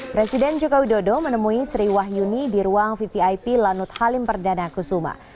presiden jokowi dodo menemui sri wahyuni di ruang vvip lanut halim perdana kusuma